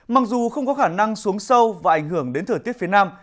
mặc dù không có khả năng xuống sâu và ảnh hưởng đến thời tiết phía nam